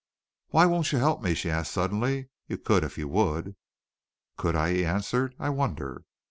"Why won't you help me?" she asked suddenly. "You could if you would." "Could I?" he answered. "I wonder."